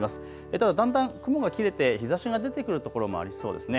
ただ、だんだん雲が切れて日ざしが出てくる所もありそうですね。